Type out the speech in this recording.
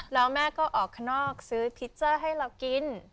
แล้วแม่ก็ออกข้างนอกซื้อพิเจอร์ให้เรากิน